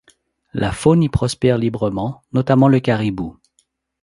La faune y prospère librement, notamment le caribou.